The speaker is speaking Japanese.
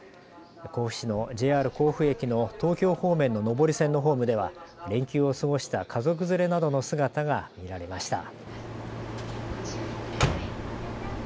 甲府市のＪＲ甲府駅の東京方面の上り線のホームでは連休を過ごした家族連れなどの姿が見られました。